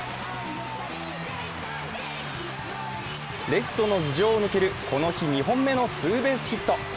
レフトの頭上を抜けるこの日２本目のツーベースヒット。